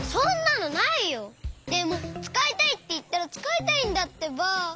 でもつかいたいっていったらつかいたいんだってば！